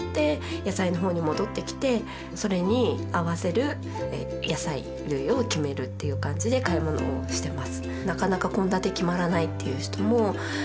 野菜のほうに戻ってきてそれに合わせる野菜類を決めるっていう感じで買い物をしてます。